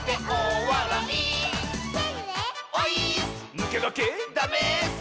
「ぬけがけ」「ダメス！」